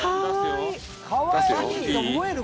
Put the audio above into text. かわいい！